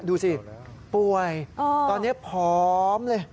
ดูสิป่วยตอนนี้ผอมเลย